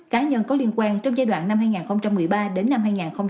cá nhân có liên quan trong giai đoạn năm hai nghìn một mươi ba đến năm hai nghìn hai mươi